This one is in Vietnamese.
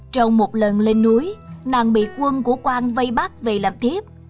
trong một lần lên núi nàng bị quân của quang vây bắt về làm thiếp